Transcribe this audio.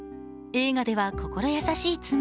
映画では心優しい妻。